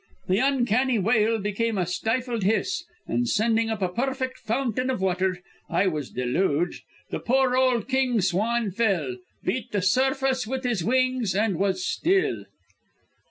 The uncanny wail became a stifled hiss, and sending up a perfect fountain of water I was deluged the poor old king swan fell, beat the surface with his wings and was still."